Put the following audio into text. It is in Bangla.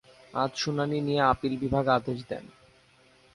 আজ শুনানি নিয়ে আপিল বিভাগ আদেশ দেন।